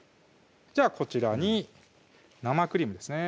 じゃあこちらに生クリームですね